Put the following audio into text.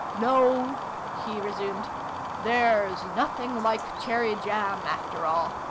" No," he resumed :" there's nothing like cherry jam, after all.